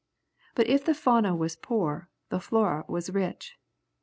But if the fauna was poor, the flora was rich.